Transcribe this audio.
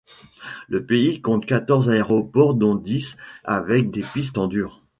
Le pays compte quatorze aéroports dont dix avec des pistes en dur.